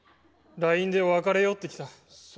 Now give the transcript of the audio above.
ＬＩＮＥで別れようってきた。